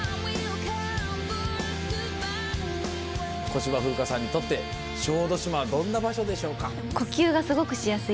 小芝風花さんにとって小豆島はどんな場所でしょうか？